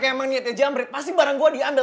kalau emang niatnya jamret pasti barang gue diandal